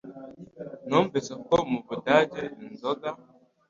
Numvise ko mubudage inzoga